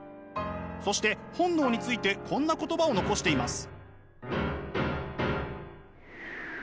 そして本能についてこんな言葉を残しています。